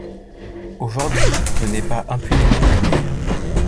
Aujourd’hui ne naît pas impunément d’hier.